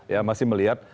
ya masih melihat